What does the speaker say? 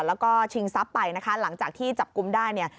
แล้วก็ชิงซับไปหลังจากที่จับกุ้มด้าย